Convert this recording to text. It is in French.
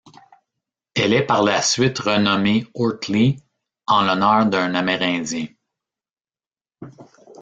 Elle est par la suite renommée Ortley, en l'honneur d'un amérindien.